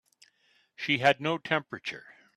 She had no temperature.